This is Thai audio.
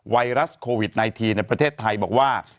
ไวรัสโควิด๑๙ในประเทศไทยบอกว่า